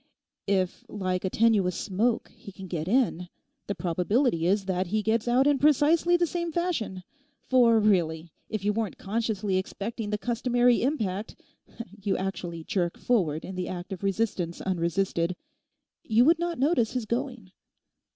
If like a tenuous smoke he can get in, the probability is that he gets out in precisely the same fashion. For really, if you weren't consciously expecting the customary impact (you actually jerk forward in the act of resistance unresisted), you would not notice his going.